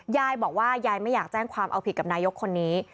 ยายบอกว่ายายไม่อยากแจ้งความเอาผิดกับนายกคนนี้